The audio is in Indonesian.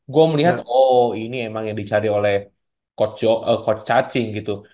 gue melihat oh ini emang yang dicari oleh coach cacing gitu